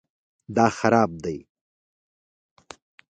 دا خراب دی